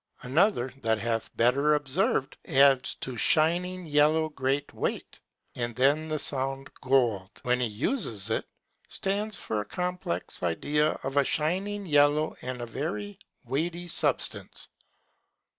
Another that hath better observed, adds to shining yellow great weight: and then the sound gold, when he uses it, stands for a complex idea of a shining yellow and a very weighty substance.